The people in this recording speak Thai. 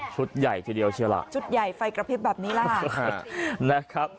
ชุดใหญ่ทีเดียวเชียวล่ะชุดใหญ่ไฟกระเพ็บแบบนี้ล่ะ